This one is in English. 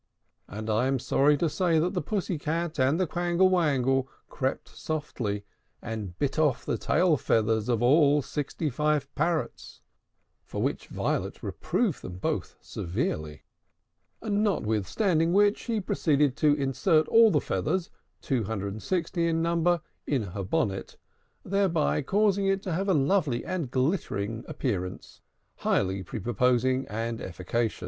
And I am sorry to say that the Pussy Cat and the Quangle Wangle crept softly, and bit off the tail feathers of all the sixty five parrots; for which Violet reproved them both severely. Notwithstanding which, she proceeded to insert all the feathers two hundred and sixty in number in her bonnet; thereby causing it to have a lovely and glittering appearance, highly prepossessing and efficacious.